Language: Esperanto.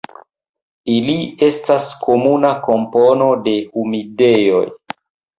Ili estas komuna kompono de humidejoj.